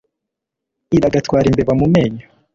iragatwara imbeba mu menyo